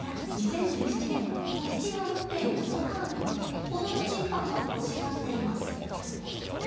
ゴヒチが持っているごはんを子供チンパンが欲しがっています。